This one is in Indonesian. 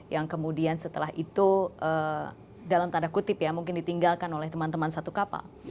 yang kemudian setelah itu dalam tanda kutip ya mungkin ditinggalkan oleh teman teman satu kapal